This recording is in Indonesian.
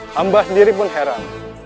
hamba sendiri pun heran